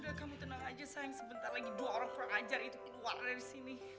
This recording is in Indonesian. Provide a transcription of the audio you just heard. udah kamu tenang aja sayang sebentar lagi dua orang orang ajar itu keluar dari sini